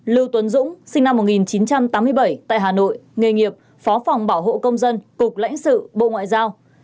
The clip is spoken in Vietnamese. lưu tuấn dũng sinh năm một nghìn chín trăm tám mươi bảy tại hà nội nghề nghiệp phó phòng bảo hộ công dân cục lãnh sự bộ ngoại giao